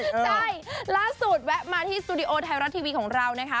ใช่ล่าสุดแวะมาที่สตูดิโอไทยรัฐทีวีของเรานะคะ